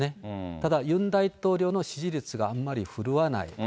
ただ、ユン大統領の支持率があんまり振るわない。